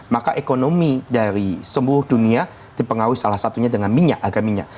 maka ekonomi dari seluruh dunia dipengaruhi salah satunya dengan minyak harga minyak